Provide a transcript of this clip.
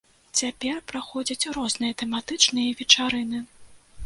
Цяпер праходзяць розныя тэматычныя вечарыны.